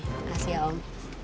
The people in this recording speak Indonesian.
makasih ya om